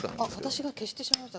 私が消してしまいました。